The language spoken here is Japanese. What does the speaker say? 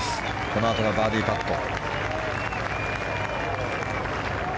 このあと、バーディーパット。